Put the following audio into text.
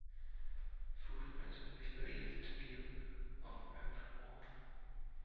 Food principally believed to be of earth worm.